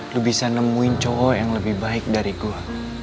lu bisa nemuin cowok yang lebih baik dari gue